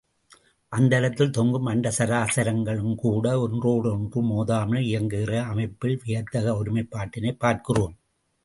அந்தரத்தில் தொங்கும் அண்டசராசரங்களும் கூட ஒன்றோடொன்று மோதாமல் இயங்குகிற அமைப்பில் வியத்தகு ஒருமைப் பாட்டினைப் பார்க்கிறோம்.